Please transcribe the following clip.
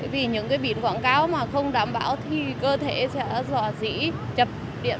vì những cái biển quảng cáo mà không đảm bảo thì cơ thể sẽ rõ rỉ chập điện